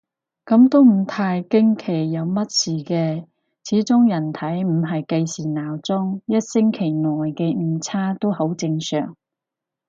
噉都唔太驚有乜事嘅，始終人體唔係計時鬧鐘，一星期內嘅誤差都好正常